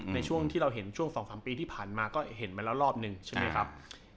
ในช่วงที่เราเห็นช่วง๒๓ปีที่ผ่านมาก็เห็นมาแล้วรอบหนึ่งใช่ไหมครับ